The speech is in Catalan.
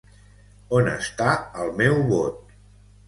On està el meu vot?